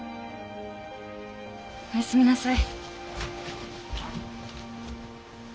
おやすみなさい。